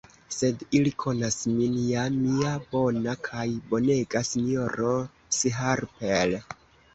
Sed ili konas min ja, mia bona kaj bonega S-ro Sharper!